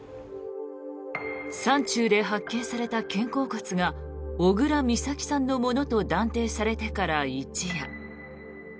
山中で発見された肩甲骨が小倉美咲さんのものと断定されてから一夜。